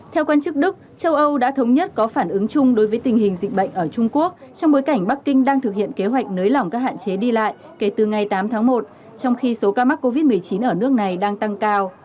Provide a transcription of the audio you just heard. theo quan chức đức châu âu đã thống nhất có phản ứng chung đối với tình hình dịch bệnh ở trung quốc trong bối cảnh bắc kinh đang thực hiện kế hoạch nới lỏng các hạn chế đi lại kể từ ngày tám tháng một trong khi số ca mắc covid một mươi chín ở nước này đang tăng cao